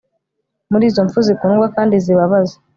Muri izo mpfu zikundwa kandi zibabaza